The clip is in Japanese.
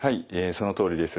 そのとおりです。